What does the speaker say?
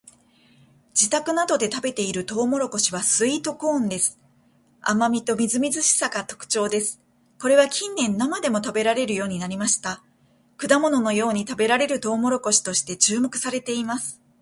自宅などで食べているトウモロコシはスイートコーンです。甘味とみずみずしさが特徴です。これは近年生でも食べられるようになりました。果物のように食べられるトウモロコシとして注目されています。